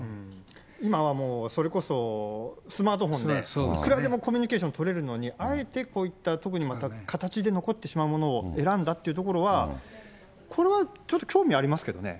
今はもう、それこそスマートフォンで、いくらでもコミュニケーション取れるのに、あえてこういった、特にまた形で残ってしまうものを選んだっていうところは、これはちょっと興味ありますけどね。